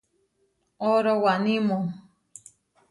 Orowanimu.